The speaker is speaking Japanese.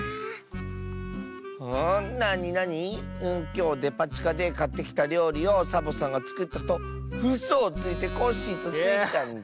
「きょうデパちかでかってきたりょうりをサボさんがつくったとうそをついてコッシーとスイちゃんに」。